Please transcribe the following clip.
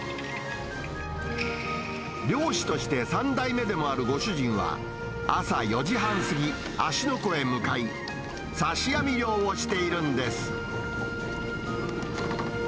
漁師として３代目でもあるご主人は、朝４時半過ぎ、芦ノ湖へ向かい、刺し網漁をしているんです。